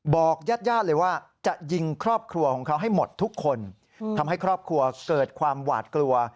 ญาติญาติเลยว่าจะยิงครอบครัวของเขาให้หมดทุกคนทำให้ครอบครัวเกิดความหวาดกลัว